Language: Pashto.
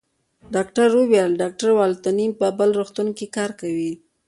ډاکټر وویل: ډاکټر والنتیني په بل روغتون کې کار کوي.